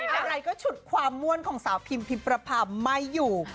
อะไรก็ฉุดความม่วนของสาวพิมพิมประพาไม่อยู่